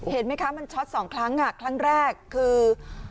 เห็นไหมคะมันช็อตสองครั้งครั้งแรกคือ